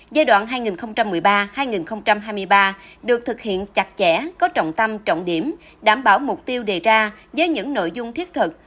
giai đoạn hai nghìn một mươi ba hai nghìn hai mươi ba được thực hiện chặt chẽ có trọng tâm trọng điểm đảm bảo mục tiêu đề ra với những nội dung thiết thực